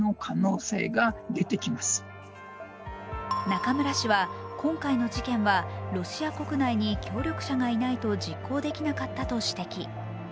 中村氏は今回の事件はロシア国内に協力者がいないと実行できなかったと指摘。